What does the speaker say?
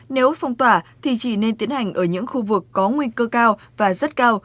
nếu phong tỏa thì chỉ nên tiến hành ở những khu vực có nguy cơ cao và rất cao